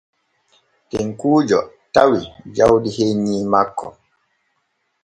Tekkuujo tawi jawdi hennyi makko.